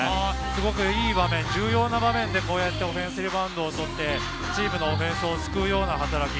すごくいい場面、重要な場面でオフェンスリバウンドをとって、チームのオフェンスを救うような働き。